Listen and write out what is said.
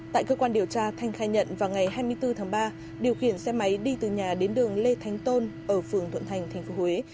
tại cơ quan điều tra thanh khai nhận vào ngày hai mươi bốn tháng ba điều khiển xe máy đi từ nhà đến đường lê thánh tôn ở phường thuận thành tp huế